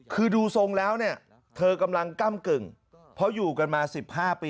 คือดูทรงแล้วเนี่ยเธอกำลังก้ำกึ่งเพราะอยู่กันมา๑๕ปี